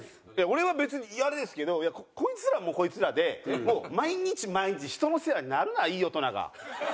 俺は別にあれですけどこいつらもこいつらで毎日毎日人の世話になるないい大人が。